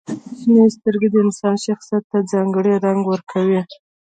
• شنې سترګې د انسان شخصیت ته ځانګړې رنګ ورکوي.